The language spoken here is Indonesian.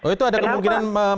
itu ada kemungkinan